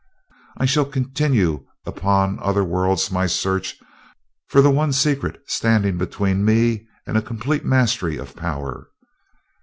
I shall continue upon other worlds my search for the one secret standing between me and a complete mastery of power.